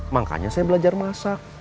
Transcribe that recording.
makanya saya belajar masak